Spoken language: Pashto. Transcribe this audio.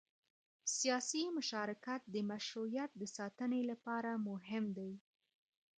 سیاسي مشارکت د مشروعیت د ساتنې لپاره مهم دی